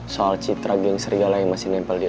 soal citra geng sergala yang masih nempel di lo